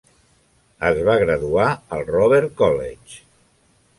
Es va graduar al Robert College.